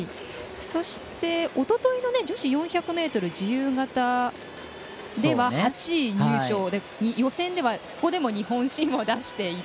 おとといの女子４００ｍ自由形では８位入賞で予選では、ここでは日本新を出している。